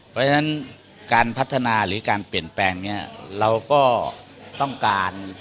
เพราะฉะนั้นการพัฒนาหรือการเปลี่ยนแปลงเนี่ยเราก็ต้องการ